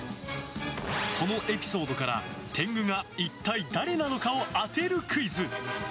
そのエピソードから、天狗が一体誰なのかを当てるクイズ。